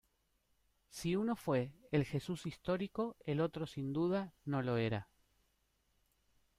Si uno fue el Jesús histórico, el otro sin duda no lo era.